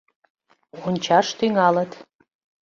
Ончаш тӱҥалыт.